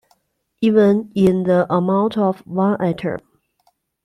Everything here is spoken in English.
Even in the amount of one atom.